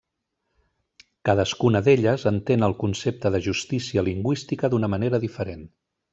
Cadascuna d'elles entén el concepte de justícia lingüística d'una manera diferent.